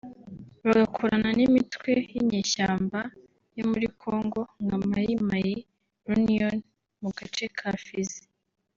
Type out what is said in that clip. bagakorana n’imitwe y’inyeshyamba yo muri Congo nka Mai Mai Reunion mu gace ka Fizi